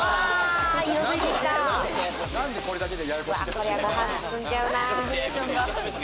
これはご飯進んじゃうな。